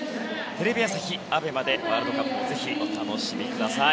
テレビ朝日、ＡＢＥＭＡでワールドカップをぜひお楽しみください。